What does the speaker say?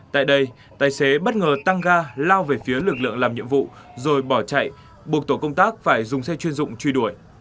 tại đây tài xế bất ngờ tăng ga lao về phía lực lượng làm nhiệm vụ rồi bỏ chạy buộc tổ công tác phải dùng xe chuyên dụng truy đuổi